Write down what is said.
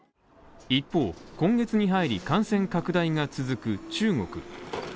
一方、今月に入り、感染拡大が続く中国。